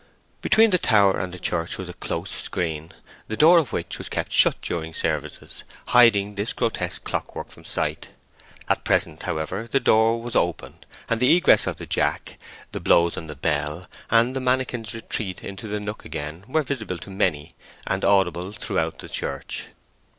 Between the tower and the church was a close screen, the door of which was kept shut during services, hiding this grotesque clockwork from sight. At present, however, the door was open, and the egress of the jack, the blows on the bell, and the mannikin's retreat into the nook again, were visible to many, and audible throughout the church.